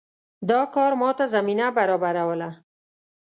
دا کار ماته زمینه برابروله.